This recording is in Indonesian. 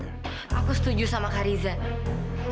kau sudah mesti ofisika